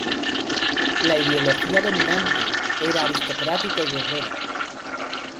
La ideología dominante era aristocrática y guerrera.